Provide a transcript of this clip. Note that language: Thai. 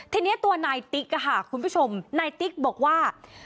ทีนี้ตัวนายติ๊กค่ะคุณผู้ชมนายติ๊กบอกว่า